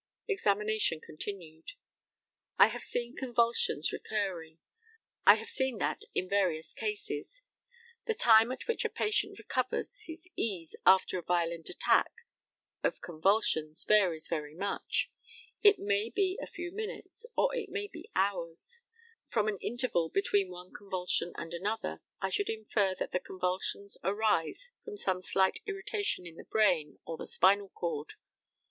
Examination continued: I have seen convulsions recurring. I have seen that in very various cases. The time at which a patient recovers his ease after a violent attack of convulsions varies very much. It may be a few minutes, or it may be hours. From an interval between one convulsion and another I should infer that the convulsions arise from some slight irritation in the brain or the spinal cord.